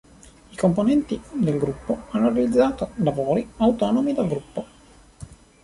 I componenti del gruppo hanno realizzato lavori autonomi dal gruppo.